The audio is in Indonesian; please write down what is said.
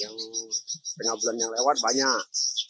yang tengah bulan yang lewat banyak